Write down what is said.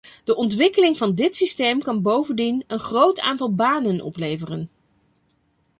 De ontwikkeling van dit systeem kan bovendien een groot aantal banen opleveren.